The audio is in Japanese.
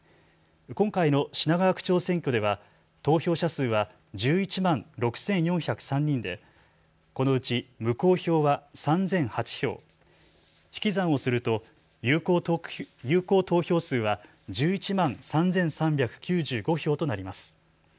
今回の品川区長選挙では投票者数は１１万６４０３人でこのうち無効票は３００８票、引き算をすると有効投票数は１１万３３９５票となります。